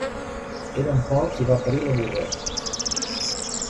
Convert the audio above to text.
Érem pocs i va parir la burra.